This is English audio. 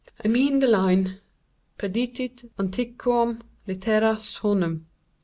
I mean the line Perdidit antiquum litera prima sonum.